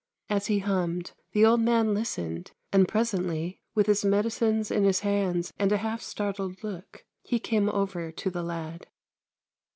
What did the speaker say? As he hummed, the old man listened, and presently, with his medicines in his hands and a half startled look, he came over to the lad.